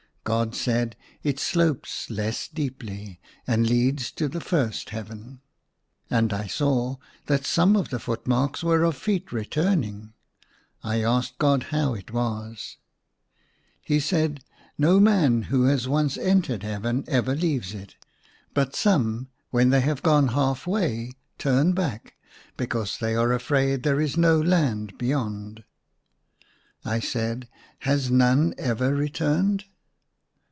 God said, "It slopes less deeply, and leads to the first heaven." And I saw that some of the foot marks were of feet returning. I asked God how it was. He said, " No man who has once entered Heaven ever leaves it ; but some, when they have gone half way, turn back, because they are afraid there is no land beyond." I said, " Has none ever returned